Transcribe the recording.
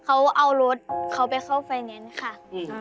เขาเอารถเขาไปเข้าไฟแนนซ์ค่ะอืม